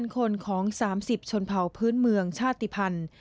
๕๐๐๐คนของ๓๐ชนเผาพื้นเมืองชาติพันธุ์